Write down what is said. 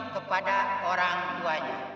kepada orang tuanya